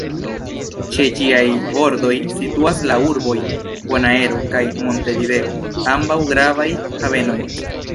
Ĉe ĝiaj bordoj situas la urboj Bonaero kaj Montevideo, ambaŭ gravaj havenoj.